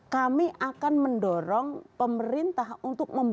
kami akan mendorong pemerintah untuk memperbaiki